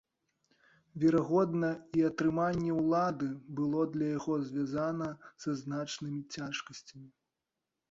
Верагодна, і атрыманне улады было для яго звязана са значнымі цяжкасцямі.